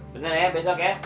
bener ya besok ya